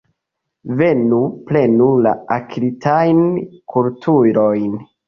Venu, prenu la akiritajn kulturojn.